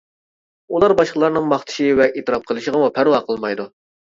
ئۇلار باشقىلارنىڭ ماختىشى ۋە ئېتىراپ قىلىشىغىمۇ پەرۋا قىلمايدۇ.